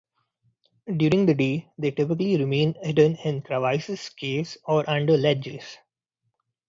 During the day, they typically remain hidden in crevices, caves, or under ledges.